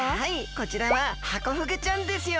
こちらはハコフグちゃんですよ。